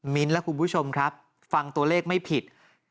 และคุณผู้ชมครับฟังตัวเลขไม่ผิด